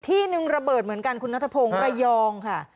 ที่นึงระเบิดเหมือนกันคุณนัทพงศ์ระยองค่ะ